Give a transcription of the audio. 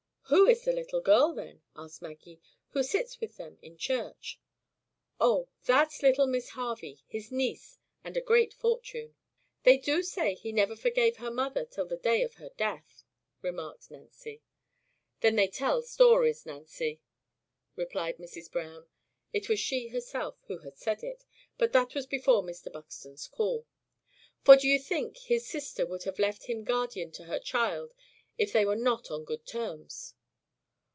"Who is the little girl, then," asked Maggie, "who sits with them in church?" "Oh! that's little Miss Harvey, his niece, and a great fortune." "They do say he never forgave her mother till the day of her death," remarked Nancy. "Then they tell stories, Nancy!" replied Mrs. Browne (it was she herself who had said it; but that was before Mr. Buxton's call). For d'ye think his sister would have left him guardian to her child, if they were not on good terms?"